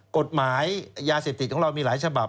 กฎหมายยาเสพติดของเรามีหลายฉบับ